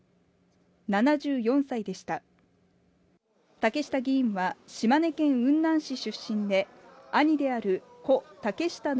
竹下議員は島根県雲南市出身で兄である故・竹下登